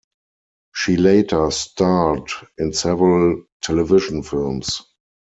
She later starred in several television films.